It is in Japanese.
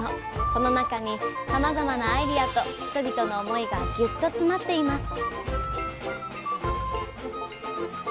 この中にさまざまなアイデアと人々の思いがぎゅっと詰まっています。